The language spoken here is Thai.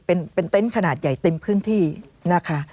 เป็นเต็นต์ขนาดใหญ่เต็มพื้นที่นะคะ